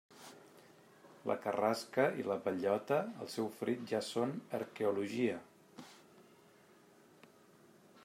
La carrasca, i la bellota, el seu fruit, ja són arqueologia.